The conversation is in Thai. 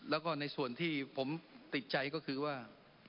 แล้วก็ในส่วนที่ผมติดใจก็คือว่า